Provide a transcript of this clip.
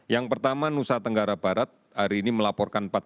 yang pertama nusa tenggara barat hari ini melaporkan